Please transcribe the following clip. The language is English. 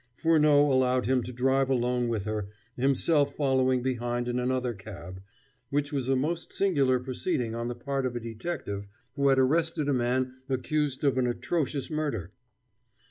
Furneaux allowed him to drive alone with her, himself following behind in another cab, which was a most singular proceeding on the part of a detective who had arrested a man accused of an atrocious murder.